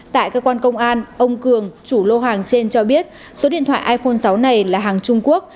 tại cơ quan công an ông cường chủ lô hàng trên cho biết số điện thoại iphone sáu này là hàng trung quốc